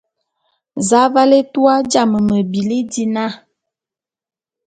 Za aval étua jame me bili dina?